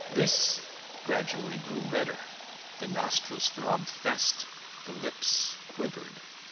This gradually grew redder; the nostrils throbbed fast, the lips quivered.